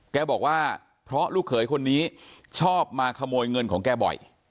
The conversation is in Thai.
แกบอกว่าเพราะลูกเขยคนนี้ชอบมาขโมยเงินของแกบ่อย